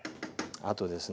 あとですね